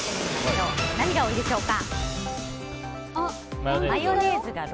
何が多いでしょうか。